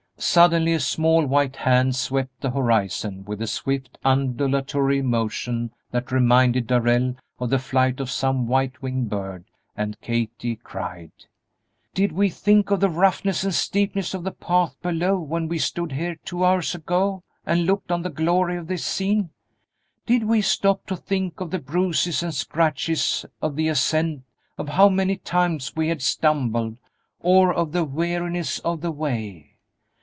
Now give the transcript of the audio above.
Suddenly a small white hand swept the horizon with a swift, undulatory motion that reminded Darrell of the flight of some white winged bird, and Kate cried, "Did we think of the roughness and steepness of the path below when we stood here two hours ago and looked on the glory of this scene? Did we stop to think of the bruises and scratches of the ascent, of how many times we had stumbled, or of the weariness of the way?